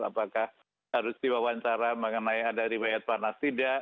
apakah harus diwawancara mengenai ada riwayat panas tidak